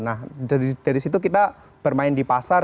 nah dari situ kita bermain di pasar